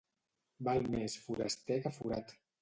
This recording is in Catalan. Val més foraster que forat.